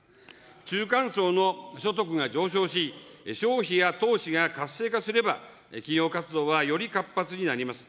中間層の所得が上昇し、消費や投資が活性化すれば、企業活動はより活発になります。